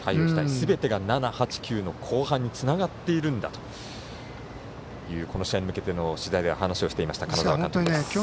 すべてが７、８、９の後半につながっているんだというこの試合に向けての取材で話していた金沢監督です。